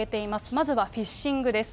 まずはフィッシングです。